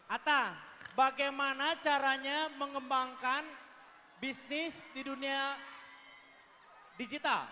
ata bagaimana caranya mengembangkan bisnis di dunia digital